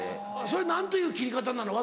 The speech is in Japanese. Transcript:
それ何という切り方なの？